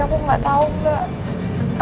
tapi aku gak tahu mbak